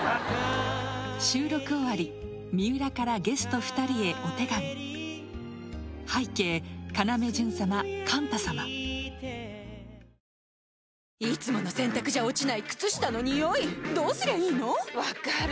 収録終わり水卜からゲスト２人へお手紙いつもの洗たくじゃ落ちない靴下のニオイどうすりゃいいの⁉分かる。